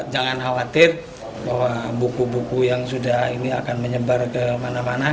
jangan khawatir bahwa buku buku yang sudah ini akan menyebar kemana mana